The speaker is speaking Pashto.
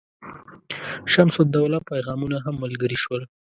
شمس الدوله پیغامونه هم ملګري شول.